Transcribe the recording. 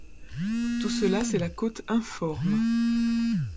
Tout cela c’est la côte informe.